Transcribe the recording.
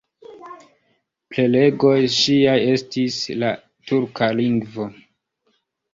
Prelegoj ŝiaj estis en la turka lingvo.